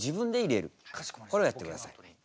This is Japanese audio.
これをやってください。